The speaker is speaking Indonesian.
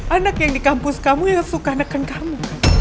anak yang di kampus kamu yang suka neken kamu